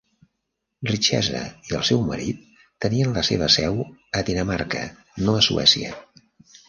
Richeza i el seu marit tenien la seva seu a Dinamarca, no a Suècia.